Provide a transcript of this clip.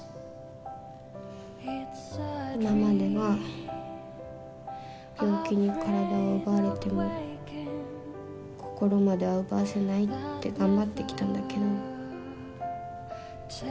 今までは病気に体を奪われても心までは奪わせないって頑張ってきたんだけど。